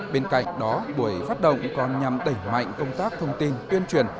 bên cạnh đó buổi phát động còn nhằm đẩy mạnh công tác thông tin tuyên truyền